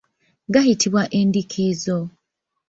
Gayitibwa endiikiizo.